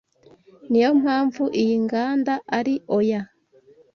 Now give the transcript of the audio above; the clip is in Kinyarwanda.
niyo mpamvu iyi nganda ari oya